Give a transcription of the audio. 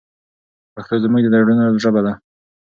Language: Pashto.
پښتو زموږ د زړونو ژبه ده.